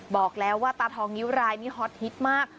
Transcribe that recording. บอกแล้วว่าตาทองนิ้วรายนี่ฮอตฮิตมาก